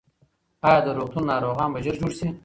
ایا د روغتون ناروغان به ژر جوړ شي؟